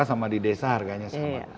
sama di desa harganya sama